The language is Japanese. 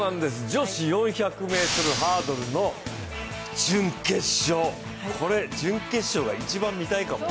女子４００ｍハードルの準決勝、準決勝がこれ、一番見たいかも。